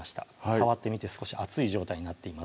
触ってみて少し熱い状態になっています